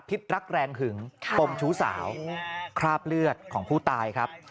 รักแรงหึงปมชู้สาวคราบเลือดของผู้ตายครับ